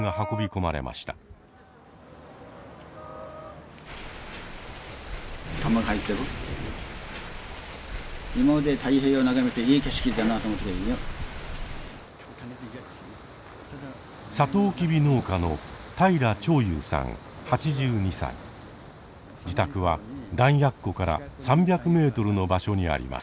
サトウキビ農家の自宅は弾薬庫から３００メートルの場所にあります。